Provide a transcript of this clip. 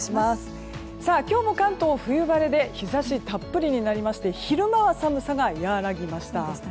今日も関東は冬晴れで日差したっぷりになりまして昼間は寒さが和らぎました。